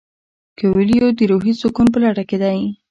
کویلیو د روحي سکون په لټه کې دی.